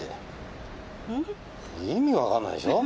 意味わかんないでしょ？